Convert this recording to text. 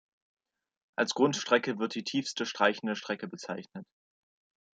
Als Grundstrecke wird die tiefste streichende Strecke bezeichnet.